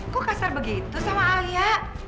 kok kasar begitu sama alia